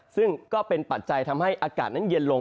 ซึ่งก็เป็นปัจจัยทำให้อากาศนั้นเย็นลง